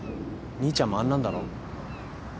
兄ちゃんもあんなんだろ。